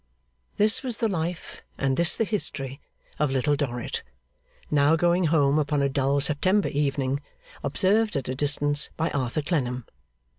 This was the life, and this the history, of Little Dorrit; now going home upon a dull September evening, observed at a distance by Arthur Clennam.